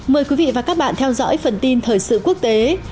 mời quý vị và các bạn theo dõi phần tin thời sự quốc tế